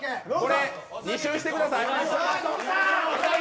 ２周してください。